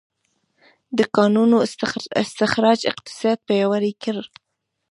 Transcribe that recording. د کانونو استخراج اقتصاد پیاوړی کړ.